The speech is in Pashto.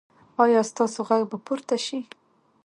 ایا ستاسو غږ به پورته شي؟